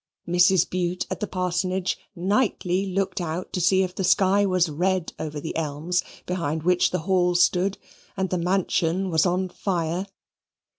Mrs. Bute at the parsonage nightly looked out to see if the sky was red over the elms behind which the Hall stood, and the mansion was on fire.